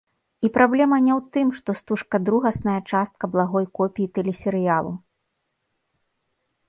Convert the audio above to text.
І праблема не ў тым, што стужка другасная частка благой копіі тэлесерыялу.